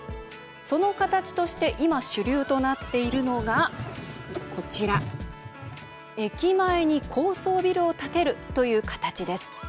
その形として今主流となっているのが、こちら駅前に高層ビルを建てるという形です。